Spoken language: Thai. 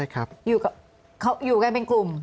อยู่กันเป็นกลุ่ม